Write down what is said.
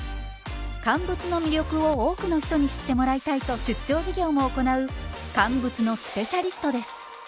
乾物の魅力を多くの人に知ってもらいたいと出張授業も行う乾物のスペシャリストです。